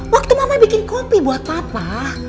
waktu mama bikin kopi buat papa